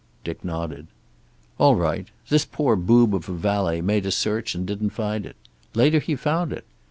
Dick nodded. "All right. This poor boob of a valet made a search and didn't find it. Later he found it.